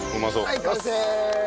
はい完成！